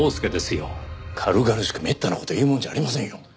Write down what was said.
軽々しくめったな事を言うもんじゃありませんよ！